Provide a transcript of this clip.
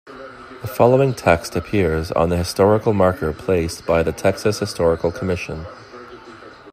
The following text appears on the historical marker placed by the Texas Historical Commission.